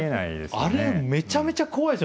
あれめちゃめちゃ怖いですよ。